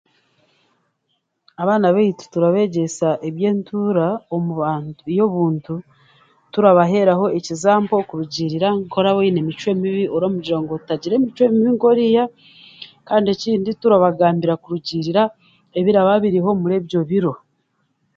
Abaana beitu turabegyeesa ebyentuura ey'obuntu turabaheraho ekizampo kurugirira nk'oraba oyine emicwe mibi oramugira ngu otagira emicwe mibi nka oriya kandi ekindi turabagambira kurugirira ebiraba biriho omuri ebyo biro.